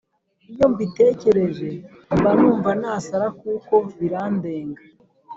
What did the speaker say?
iyo mbitekereje mbanumva nasara kuko birandenga